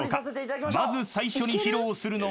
［まず最初に披露するのは］